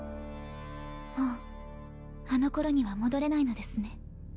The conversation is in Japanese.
もうあのころには戻れないのですね。